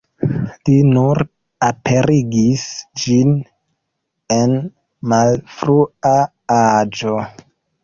Li nur aperigis ĝin en malfrua aĝo.